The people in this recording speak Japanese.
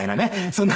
そんな。